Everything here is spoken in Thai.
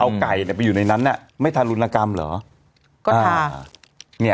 เอาไก่นี้ไปอยู่ในนั้นน่ะไม่ทารุณกรรมหรอก็ท้าเนี่ยเขา